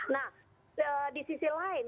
nah di sisi lain